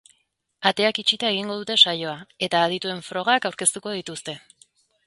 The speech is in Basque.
Ateak itxita egingo dute saioa, eta adituen frogak aurkeztuko dituzte.